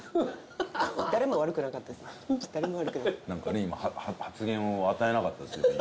誰も悪くなかったですね。